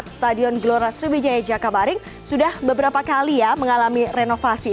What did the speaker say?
stadion gelora sriwijaya jakabaring sudah beberapa kali ya mengalami renovasi